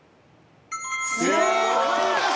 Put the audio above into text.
正解です！